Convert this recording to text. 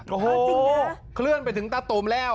โอ้โหเคลื่อนไปถึงตะตูมแล้ว